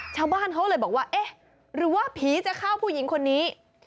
ชาวบ้านเขาเลยบอกว่าเอ๊ะหรือว่าผีจะเข้าผู้หญิงคนนี้